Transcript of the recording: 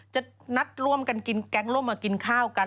จะนัดร่วมกันกินแก๊งร่วมมากินข้าวกัน